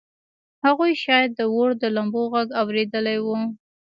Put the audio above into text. هغوی شاید د اور د لمبو غږ اورېدلی و